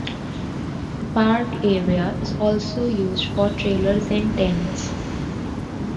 The park area is also used for trailers and tents.